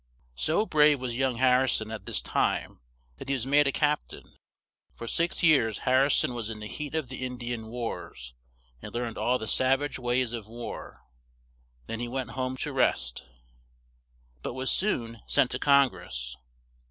So brave was young Har ri son at this time, that he was made a cap tain; for six years Har ri son was in the heat of the In di an wars; and learned all the sav age ways of war; then he went home to rest, but was soon sent to Congress.